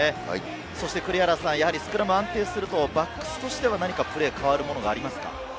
そしてスクラムが安定するとバックスとしては何かプレー、変わるものはありますか？